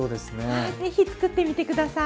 はいぜひ作ってみて下さい。